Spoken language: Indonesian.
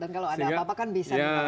dan kalau ada apa apa kan bisa diperlakukan